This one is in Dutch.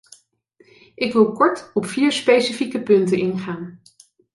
Ik wil kort op vier specifieke punten ingaan.